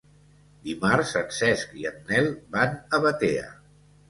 Dimarts en Cesc i en Nel van a Batea.